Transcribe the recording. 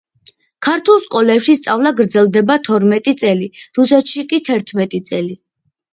ქართულ სკოლებში სწავლა გრძლდება თორმეტი წელი, რუსეთში კი თერთმეტი წელი.